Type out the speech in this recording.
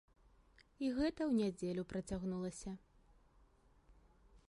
І гэта ў нядзелю працягнулася.